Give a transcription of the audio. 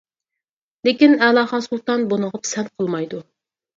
لېكىن ئەلاخان سۇلتان بۇنىڭغا پىسەنت قىلمايدۇ.